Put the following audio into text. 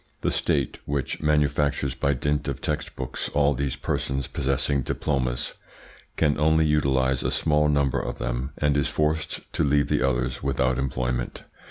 The State, which manufactures by dint of textbooks all these persons possessing diplomas, can only utilise a small number of them, and is forced to leave the others without employment.